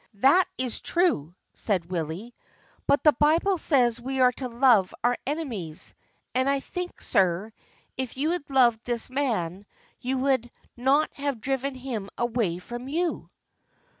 "That is true," said Willie, "but the Bible says we are to love our enemies, and I think, sir, if you had loved this man, you would not have driven him away from you."